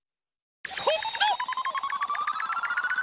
こっちだ！